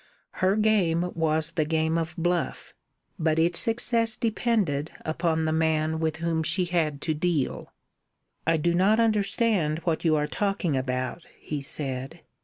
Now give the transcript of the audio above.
Her game was the game of bluff, but its success depended upon the man with whom she had to deal. "I do not understand what you are talking about," he said.